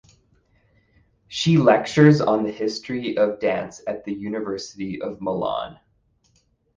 She lectures on the history of dance at the University of Milan.